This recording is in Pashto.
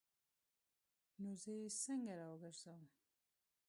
نو زه یې څنګه راوګرځوم؟